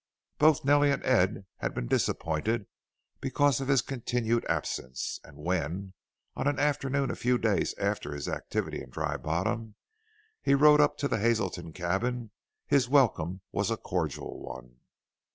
Both Nellie and Ed had been disappointed because of his continued absence, and when, on an afternoon a few days after his activity in Dry Bottom, he rode up to the Hazelton cabin his welcome was a cordial one.